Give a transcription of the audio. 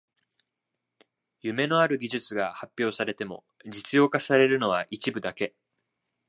夢のある技術が発表されても実用化されるのは一部だけ